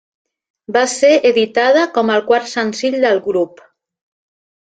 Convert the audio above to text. Va ser editada com el quart senzill del grup.